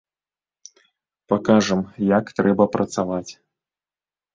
Пакажам як трэба працаваць.